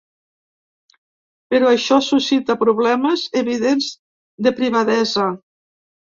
Però això suscita problemes evidents de privadesa.